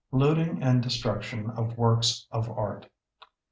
_Looting and Destruction of Works of Art.